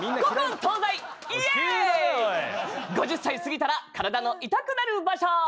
５０歳過ぎたら体の痛くなる場所！